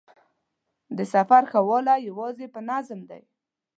د سفر ښه والی یوازې په نظم دی.